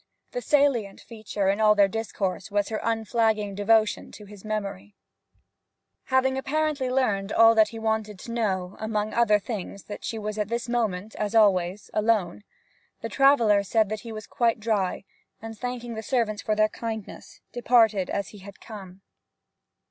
The salient feature in all their discourse was her unflagging devotion to his memory. Having apparently learned all that he wanted to know among other things that she was at this moment, as always, alone the traveller said he was quite dry; and thanking the servants for their kindness, departed as he had come.